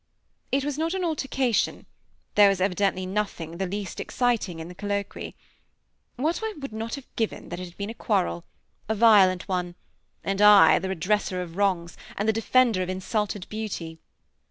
It was not an altercation; there was evidently nothing the least exciting in the colloquy. What would I not have given that it had been a quarrel a violent one and I the redresser of wrongs, and the defender of insulted beauty!